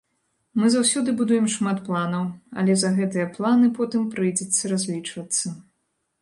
Мы заўсёды будуем шмат планаў, але за гэтыя планы потым прыйдзецца разлічвацца.